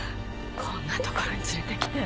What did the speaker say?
こんな所に連れてきて。